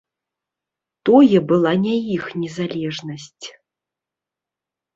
Тое была не іх незалежнасць.